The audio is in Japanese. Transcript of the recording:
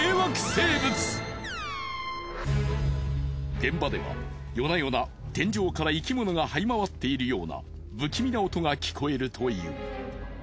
現場では夜な夜な天井から生き物がはい回っているような不気味な音が聞こえるという。